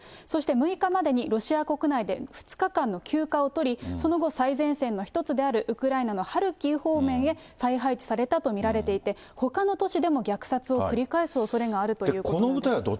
そして６日までにロシア国内で２日間の休暇を取り、その後、最前線の一つである、ウクライナのハルキウ方面へ再配置されたと見られていて、ほかの都市でも虐殺を繰り返すおそれがあるということなんです。